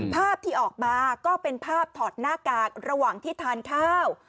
ภาพที่ออกมาก็เป็นภาพถอดหน้ากากระหว่างที่ทานข้าว